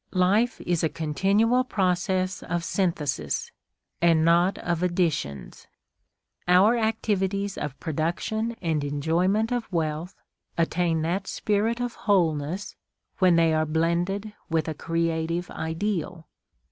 Life is a continual process of synthesis, and not of additions. Our activities of production and enjoyment of wealth attain that spirit of wholeness when they are blended with a creative ideal.